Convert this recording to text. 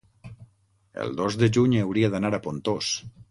el dos de juny hauria d'anar a Pontós.